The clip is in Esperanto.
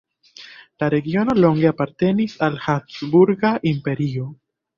La regiono longe apartenis al Habsburga Imperio.